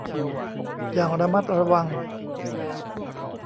อย่างระมัดระวัง